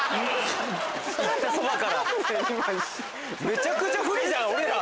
めちゃくちゃ不利じゃん俺ら。